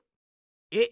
えっ？